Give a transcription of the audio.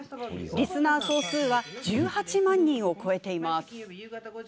リスナー総数は１８万人を超えています。